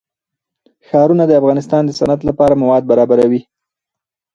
ښارونه د افغانستان د صنعت لپاره مواد برابروي.